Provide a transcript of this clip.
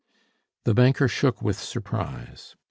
The banker shook with surprise.